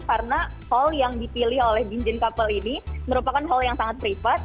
karena hall yang dipilih oleh gwanjin couple ini merupakan hall yang sangat privat